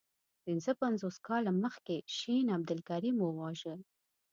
پنځه پنځوس کاله مخکي شین عبدالکریم وواژه.